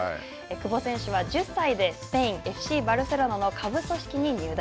久保選手は１０歳でスペインＦＣバルセロナの下部組織に入団。